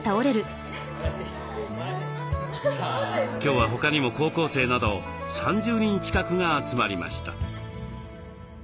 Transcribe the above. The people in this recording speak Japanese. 今日は他にも高校生など３０人近くが集まりました。